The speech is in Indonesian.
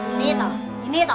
ini toh ini toh